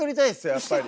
やっぱり。